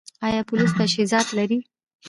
آیا پولیس تجهیزات لري؟